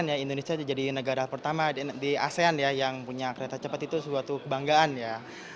ya indonesia jadi negara pertama di asean ya yang punya kereta cepat itu suatu kebanggaan ya